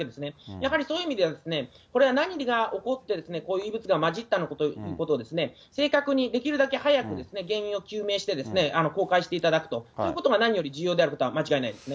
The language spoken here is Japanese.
やはりそういう意味では、これは何が起こって、こういう異物が混じったのかということを、正確にできるだけ早く原因を究明して公開していただくと、そういうことが何より重要であることは間違いないですね。